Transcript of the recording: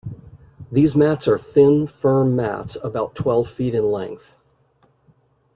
These mats are thin, firm mats about twelve feet in length.